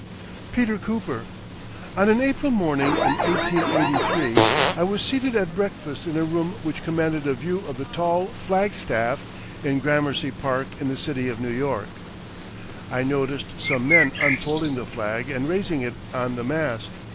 ] PETER COOPER. On an April morning in 1883 I was seated at breakfast in a room which commanded a view of the tall flag staff in Gramercy Park in the city of New York. I noticed some men unfolding the flag and raising it on the mast.